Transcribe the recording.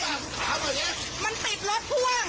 มันติดรถท่วงมันติดรถท่วง